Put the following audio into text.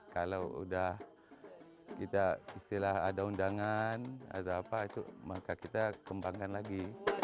kalau sudah kita istilah ada undangan maka kita kembangkan lagi